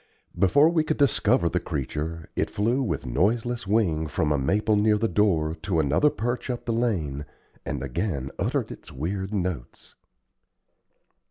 Before we could discover the creature, it flew with noiseless wing from a maple near the door to another perch up the lane, and again uttered its weird notes.